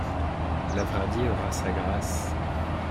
Lavradi aura sa grâce.